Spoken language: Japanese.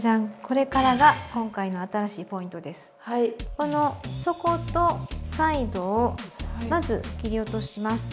この底とサイドをまず切り落とします。